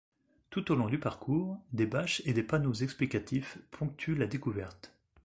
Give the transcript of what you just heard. Tout au long du parcours, des bâches et des panneaux explicatifs ponctuent la découverte.